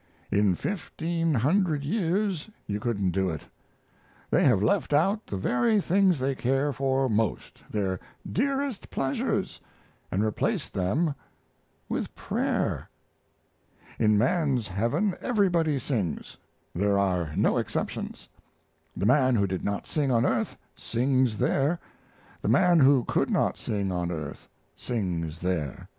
In fifteen hundred years you couldn't do it. They have left out the very things they care for most their dearest pleasures and replaced them with prayer! In man's heaven everybody sings. There are no exceptions. The man who did not sing on earth sings there; the man who could not sing on earth sings there.